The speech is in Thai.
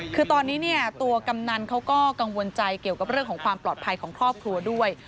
คือตอนนี้เนี่ยตัวกำนันเขาก็กังวลใจเกี่ยวกับเรื่องของความปลอดภัยของครอบครัวด้วย